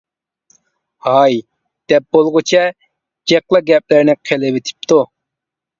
ھاي دەپ بولغۇچە جىقلا گەپلەرنى قىلىۋېتىپتۇ.